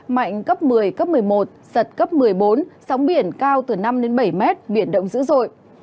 mạnh cấp một mươi một mươi một giật cấp một mươi bốn sóng biển cao từ năm bảy m biển động dữ dội